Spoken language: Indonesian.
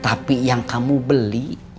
tapi yang kamu beli